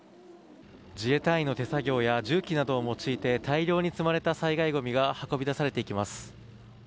自衛隊員の手作業や重機などを用いて大量に積まれた災害ごみが運び出されていきます。